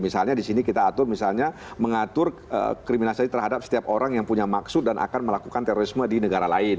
misalnya di sini kita atur misalnya mengatur kriminalisasi terhadap setiap orang yang punya maksud dan akan melakukan terorisme di negara lain